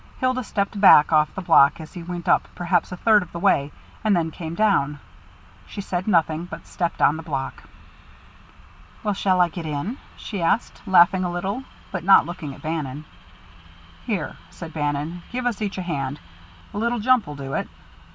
Hilda stepped back off the block as he went up perhaps a third of the way, and then came down. She said nothing, but stepped on the block. "How shall I get in?" she asked, laughing a little, but not looking at Bannon. "Here," said Bannon, "give us each a hand. A little jump'll do it.